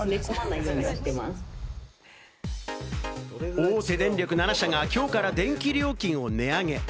大手電力７社がきょうから電気料金を値上げ。